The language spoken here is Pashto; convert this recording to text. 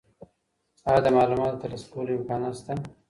ایا د معلوماتو د ترلاسه کولو امکانات شته؟